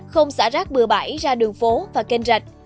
không xả rác bừa bãi ra đường phố và kênh rạch